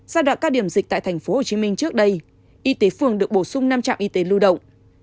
giai đoạn cao điểm dịch tại tp hcm trước đây y tế phường được bổ sung năm trạm y tế lưu động